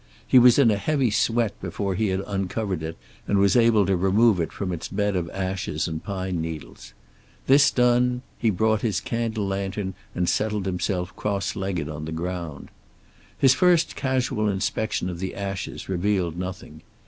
He was in a heavy sweat before he had uncovered it and was able to remove it from its bed of ashes and pine needles. This done, he brought his candle lantern and settled himself cross legged on the ground. His first casual inspection of the ashes revealed nothing.